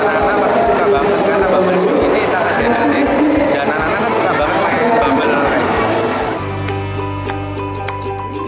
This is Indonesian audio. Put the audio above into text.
dan anak anak suka banget main bambang